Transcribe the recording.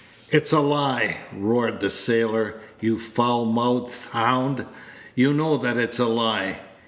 "It's a lie!" roared the sailor, "you foulmouthed hound! you know that it's a lie!